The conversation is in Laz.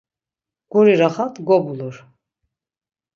Guri raxat gobulur.